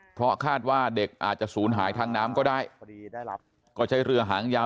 เพราะคาดว่าเด็กอาจจะศูนย์หายทางน้ำก็ได้ก็ใช้เรือหางยาว